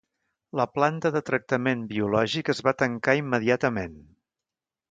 La planta de tractament biològic es va tancar immediatament.